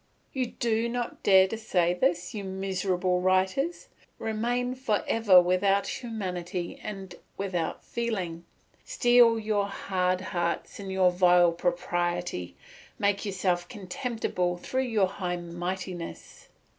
You do not dare to say this, you miserable writers! Remain for ever without humanity and without feeling; steel your hard hearts in your vile propriety, make yourselves contemptible through your high mightiness.